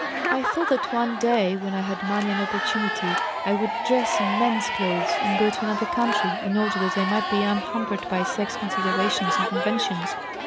"I thought that one day when I had money and opportunity I would dress in men's clothes and go to another country, in order that I might be unhampered by sex considerations and conventions.